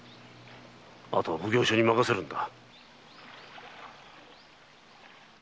あとは奉行所に任せるんだ。